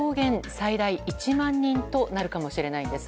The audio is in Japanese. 最大１万人となるかもしれないんです。